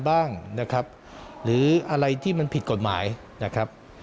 บ้างนะครับหรืออะไรที่มันผิดกฎหมายนะครับ